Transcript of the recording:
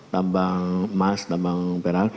tambang emas tambang beras